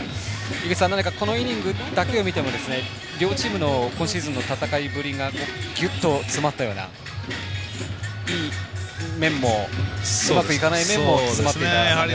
このイニングだけを見ても両チームの今シーズンの戦いぶりがぎゅっと詰まったようないい面も、うまくいかない面も詰まっていたようです。